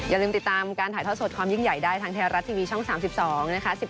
อย่าลืมติดตามการถ่ายทอดสดความยิ่งใหญ่ได้ทางไทยรัฐทีวีช่อง๓๒นะคะ